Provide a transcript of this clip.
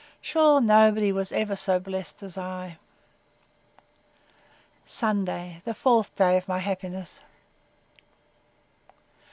—Sure nobody was ever so blest as I! Sunday, the fourth day of my happiness.